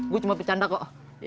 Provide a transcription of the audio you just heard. gua cuma pergi canda kok